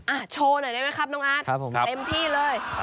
อ่าโชว์หน่อยได้ไหมครับน้องอัฐเต็มที่เลยครับผม